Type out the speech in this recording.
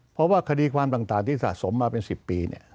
เพราะว่าคดีความต่างที่สะสมมาเป็น๑๐ปี